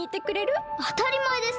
あたりまえです！